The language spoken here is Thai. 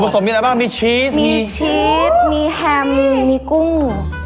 สมมีอะไรบ้างมีชีสมีชีสมีแฮมมีกุ้ง